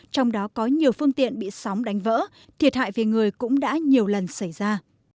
trong đó có nhiều phương tiện bị sóng đánh vỡ thiệt hại về người cũng đã nhiều lần xảy ra